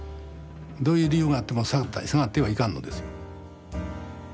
どういう理由があっても下がってはいかんのですよ。